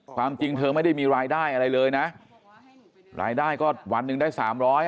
ความจริงเธอไม่ได้มีรายได้อะไรเลยนะรายได้ก็วันหนึ่งได้สามร้อย